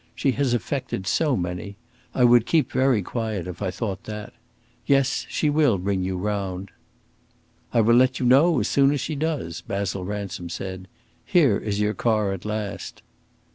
She has affected so many. I would keep very quiet if I thought that. Yes, she will bring you round." "I will let you know as soon as she does," Basil Ransom said. "Here is your car at last."